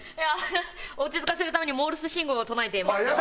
落ち着かせるためにモールス信号を唱えていました。